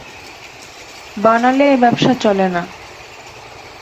বানালে এ ব্যবসা চলে না।